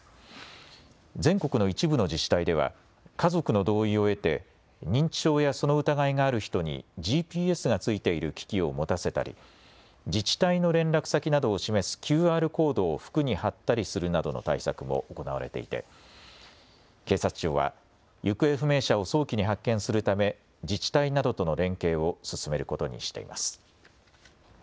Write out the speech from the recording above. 全国の一部の自治体では家族の同意を得て認知症やその疑いがある人にＧＰＳが付いている機器を持たせたり自治体の連絡先などを示すＱＲコードを服に貼ったりするなどの対策も行われていて警察庁は行方不明者を早期に発見するため、自治体などとの連携を進めることにしています。